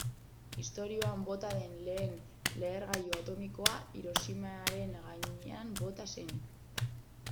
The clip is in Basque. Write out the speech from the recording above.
Historian bota den lehen lehergailu atomikoa Hiroshimaren gainean bota zen.